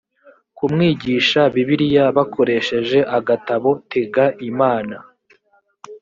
kumwigisha bibiliya bakoresheje agatabo tega imana